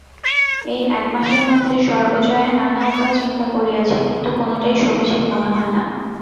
এই একমাসের মধ্যে সর্বজয়া নানা উপায় চিন্তা করিয়াছে কিন্তু কোনোটাই সমীচীন মনে হয় না।